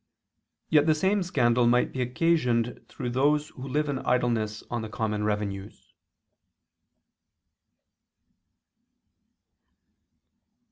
Yet the same scandal might be occasioned through those who live in idleness on the common revenues.